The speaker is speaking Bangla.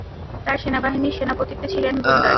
তার সেনাবাহিনীর সেনাপতিত্বে ছিলেন বুনদার।